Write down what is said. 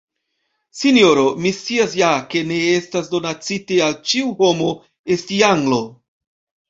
sinjoro, mi scias ja, ke ne estas donacite al ĉiu homo, esti Anglo.